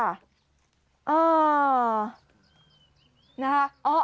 อ้าว